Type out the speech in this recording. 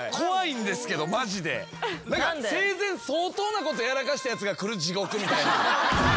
生前相当なことやらかしたやつが来る地獄みたいな。